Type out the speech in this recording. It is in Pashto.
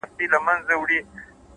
علم د ذهن ظرفیت پراخوي